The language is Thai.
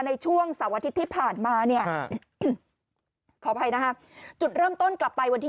ในช่วงเสาร์อาทิตย์ที่ผ่านมาเนี่ยขออภัยนะคะจุดเริ่มต้นกลับไปวันที่